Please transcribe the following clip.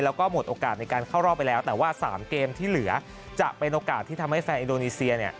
แล้วก็หมดโอกาสในการเข้ารอบไปแล้วแต่ว่า๓เกมที่เหลือจะเป็นโอกาสที่ทำให้แฟนอินโดนีเซียเนี่ย